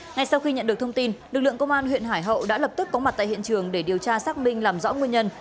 ngay sau khi nhận được thông tin lực lượng công an huyện hải hậu đã lập tức có mặt tại hiện trường để điều tra xác minh làm rõ nguyên nhân